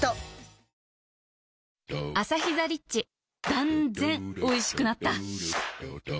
断然おいしくなった